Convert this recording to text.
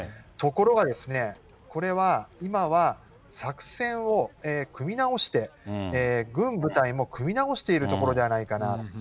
ところがですね、これは今は作戦を組み直して、軍部隊も組み直しているところではないかな。